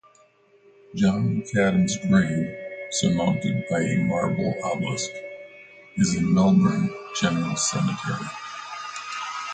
John Macadam's grave, surmounted by a marble obelisk, is in Melbourne General Cemetery.